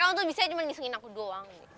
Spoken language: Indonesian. kamu tuh bisa cuma isengin aku doang